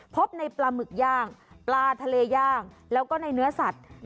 พบในปลาหมึกย่างปลาทะเลย่างแล้วก็ในเนื้อสัตว์